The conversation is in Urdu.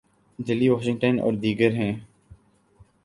دہلی، واشنگٹن اور ''دیگر" ہیں۔